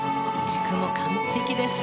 軸も完璧です。